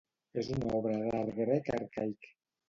És una obra d'art grec arcaic?